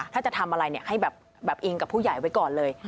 ถ้าจะทำอะไรให้แบบอิงกับผู้ใหญ่ไว้ก่อนเลย